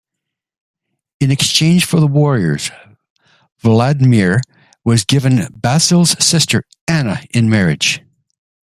In exchange for the warriors, Vladimir was given Basil's sister, Anna, in marriage.